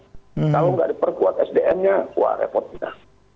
kalau nggak diperkuat sdm nya wah repot kita